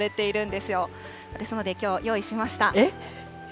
ですのできょう、用意しました。